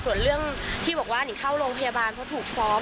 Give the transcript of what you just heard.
ส่วนเรื่องที่บอกว่านิงเข้าโรงพยาบาลเพราะถูกซ้อม